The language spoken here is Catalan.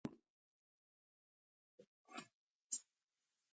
Un moment que ho busco.